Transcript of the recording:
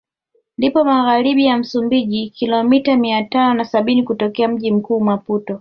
Lipo Magharibi mwa Msumbiji kilomita mia tano na sabini kutokea mji mkuu Maputo